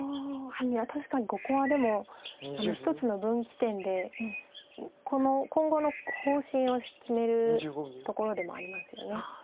いや確かにここはでも一つの分岐点で今後の方針を決めるところでもありますよね。